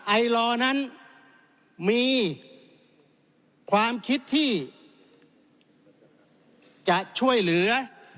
ไอลอนั้นมีความคิดที่จะช่วยเหลือ